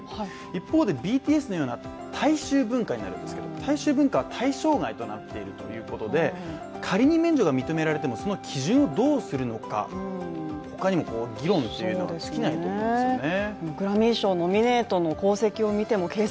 一方でＢＴＳのようなものは大衆文化になるんですけれども大衆文化は対象外になっているということで仮に免除が認められてもこの基準をどうするのか議論は尽きないと思うんですね。